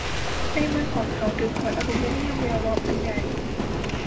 ในมือของเขาถือขวดอะลูมิเนียมแวววับอันใหญ่